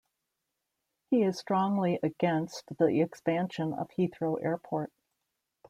He is strongly against the expansion of Heathrow Airport.